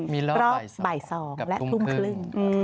รอบบ่าย๒และทุ่มครึ่ง